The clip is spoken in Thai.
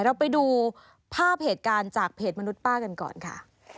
เราไปดูภาพเหตุการณ์จากเพจมนุษย์ป้ากันก่อนค่ะ